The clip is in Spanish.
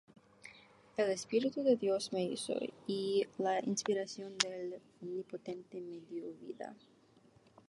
El espíritu de Dios me hizo, Y la inspiración del Omnipotente me dió vida.